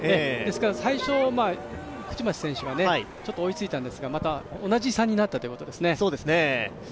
ですから最初口町選手が追いついたんですが、また同じ差になったということですね。